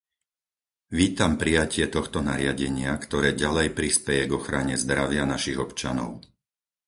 Vítam prijatie tohto nariadenia, ktoré ďalej prispeje k ochrane zdravia našich občanov.